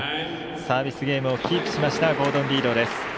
サービスゲームをキープしましたゴードン・リードです。